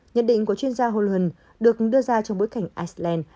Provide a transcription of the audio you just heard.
nhận định của chuyên gia hồ luân được đưa ra trong bối cảnh iceland